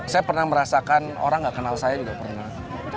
saya pernah merasakan orang gak kenal saya juga pernah